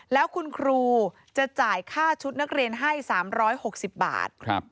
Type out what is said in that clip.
แล้วคุณครูจะจ่ายค่าชุดนักเรียนให้๓๖๐บาท